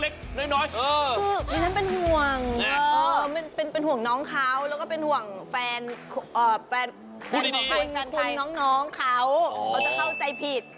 ก็หวังแฟนเอ่อแฟนคุณน้องเขาเขาจะเข้าใจผิด